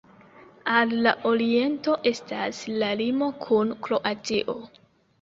Al la oriento estas la limo kun Kroatio.